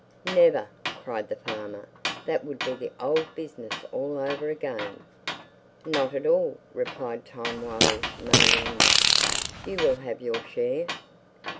"Never!" cried the farmer; "that would be the old business all over again!" "Not at all!" replied time wily money lender; "you will have your share!